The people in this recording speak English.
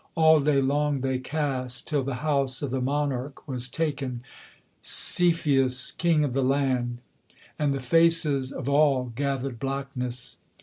All day long they cast, till the house of the monarch was taken, Cepheus, king of the land; and the faces of all gathered blackness.